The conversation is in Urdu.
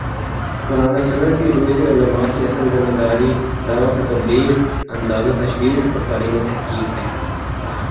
قرآن و سنت کی رو سے علما کی اصل ذمہ داری دعوت و تبلیغ، انذار و تبشیر اور تعلیم و تحقیق ہے